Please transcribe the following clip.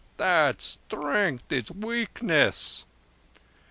"That strength is weakness."